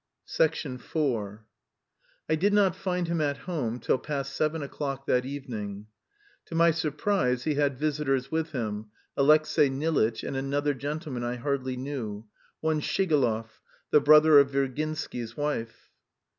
IV I did not find him at home till past seven o'clock that evening. To my surprise he had visitors with him Alexey Nilitch, and another gentleman I hardly knew, one Shigalov, the brother of Virginsky's wife.